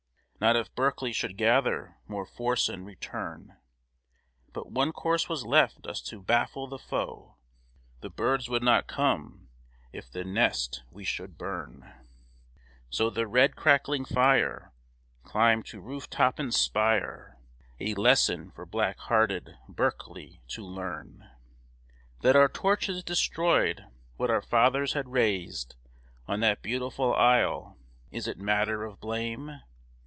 Not if Berkeley should gather more force and return; But one course was left us to baffle the foe The birds would not come if the nest we should burn; So the red, crackling fire Climbed to roof top and spire, A lesson for black hearted Berkeley to learn. That our torches destroyed what our fathers had raised On that beautiful isle, is it matter of blame?